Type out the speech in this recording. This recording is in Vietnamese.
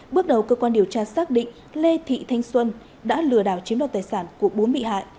bước đầu cơ quan điều tra xác định lê thị thanh xuân đã lừa đảo chiếm đoạt tài sản của bốn bị hại